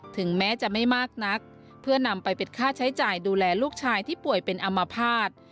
ถึงแม้จะไม่มากนักเพื่อนำไปเป็นค่าใช้จ่ายดูแลลูกชายที่ป่วยเป็นอัมพาต